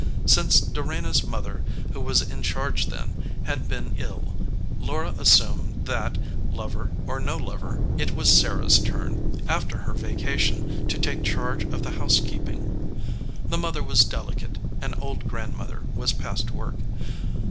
Since Do rena s mother, who was in charge then, had been ill, Laura assumed that, lover or no lover, it was Sarah s turn, after her vacation, to take charge of the housekeeping. The mother was delicate, an old grandmother was past work.